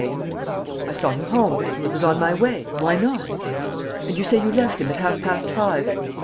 J.?" "I saw him home. It was on my way. Why not?" "And you say you left him at half past five?"